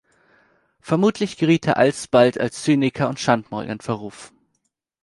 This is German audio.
Vermutlich geriet er alsbald als Zyniker und Schandmaul in Verruf.